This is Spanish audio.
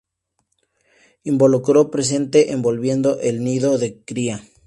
Involucro presente envolviendo el nido de cría.